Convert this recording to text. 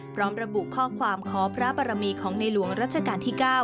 พร้อมระบุข้อความขอพระบรมีของในหลวงรัชกาลที่๙